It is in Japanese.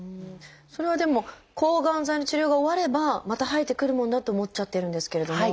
それはでも抗がん剤の治療が終わればまた生えてくるものだって思っちゃってるんですけれども。